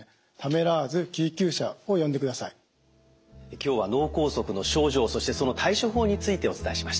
今日は脳梗塞の症状そしてその対処法についてお伝えしました。